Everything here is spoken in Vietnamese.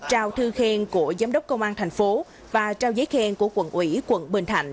trao thư khen của giám đốc công an thành phố và trao giấy khen của quận ủy quận bình thạnh